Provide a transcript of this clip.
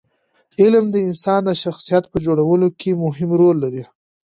علم د انسان د شخصیت په جوړولو کې مهم رول لري.